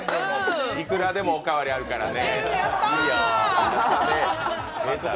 いくらでもおかわりあるからね。